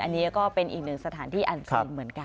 อันนี้ก็เป็นอีกหนึ่งสถานที่อันซีนเหมือนกัน